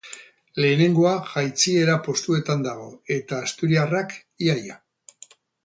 Lehenengoa jaitsiera postuetan dago, eta asturiarrak, ia-ia.